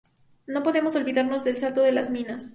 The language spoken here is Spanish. No podemos olvidarnos de El Salto de las Minas.